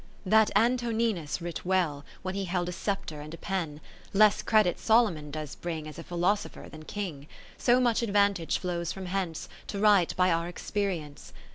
That Antoninus writ well, when He held a sceptre and a pen : Less credit Solomon does bring As a philosopher than king ; So much advantage flows from hence. To write by our experience.